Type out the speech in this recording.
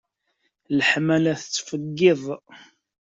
Leḥmala tettfeggiḍ.